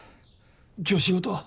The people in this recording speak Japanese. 今日仕事？